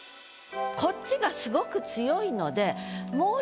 こっちがすごく強いので。